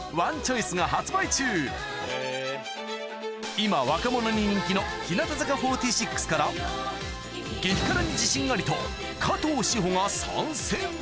今若者に人気の日向坂４６から激辛に自信ありと加藤史帆が参戦